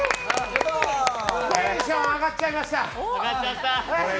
テンション上がっちゃいました。